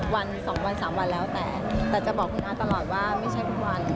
วัน๒วัน๓วันแล้วแต่แต่จะบอกคุณอาตลอดว่าไม่ใช่ทุกวัน